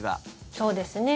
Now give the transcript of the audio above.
そうですね。